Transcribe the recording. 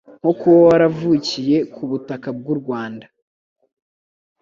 nko kuba waravukiye ku butaka bw'u Rwanda